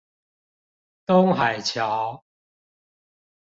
東海橋